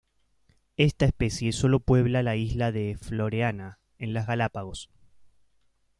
Esta especie sólo puebla la isla de Floreana, en las Galápagos.